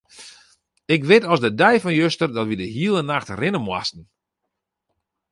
Ik wit as de dei fan juster dat wy de hiele nacht rinne moasten.